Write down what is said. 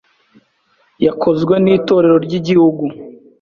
yekozwe n’Itorero ry’Igihugu;